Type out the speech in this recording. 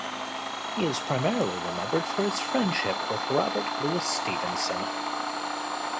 He is primarily remembered for his friendship with Robert Louis Stevenson.